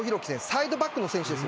サイドバックの選手です。